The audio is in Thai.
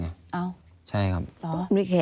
อันดับ๖๓๕จัดใช้วิจิตร